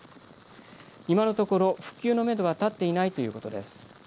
今のところ、復旧のめどは立っていないということです。